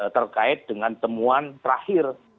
terkait dengan temuan terakhir